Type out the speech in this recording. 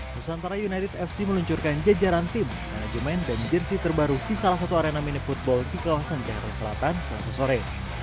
nusantara united fc meluncurkan jajaran tim karena dimain dan menjersi terbaru di salah satu arena mini football di kawasan cahaya selatan saat sesore